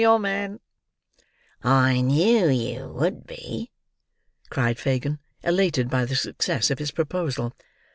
I'm your man." "I knew you would be," cried Fagin, elated by the success of his proposal.